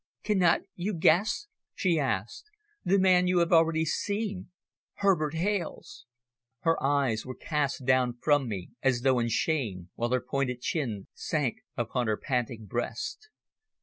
"Cannot you guess?" she asked. "The man you have already seen Herbert Hales." Her eyes were cast down from me as though in shame, while her pointed chin sank upon her panting breast.